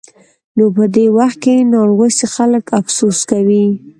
نو په دې وخت کې نالوستي خلک افسوس کوي.